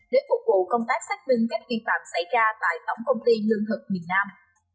để phục vụ công tác xác minh các vi phạm xảy ra tại tổng công ty lương thực miền nam